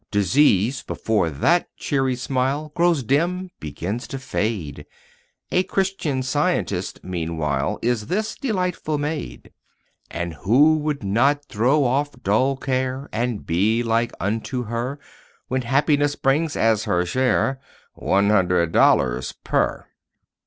Disease before that cheery smile Grows dim, begins to fade. A Christian scientist, meanwhile, Is this delightful maid. And who would not throw off dull care And be like unto her, When happiness brings, as her share, One hundred dollars per